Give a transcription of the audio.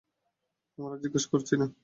আমরা জিজ্ঞাসা করছি না?